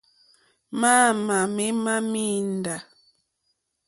Mǎǃáámà mémá míndǎ.